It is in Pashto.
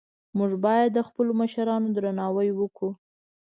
موږ باید د خپلو مشرانو درناوی وکړو